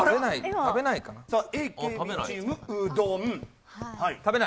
食べないかな。